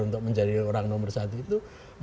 untuk menjadi orang nomor satu itu